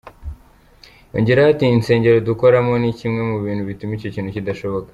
Yongeraho ati “Insengero dukoramo ni kimwe mu bintu bituma icyo kintu kidashoboka.